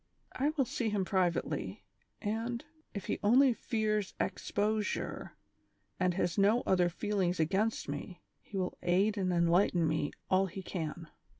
I will see him privately, and, if he only fears exposure, and has no other feelings against me, he will aid and enlighten me all he can."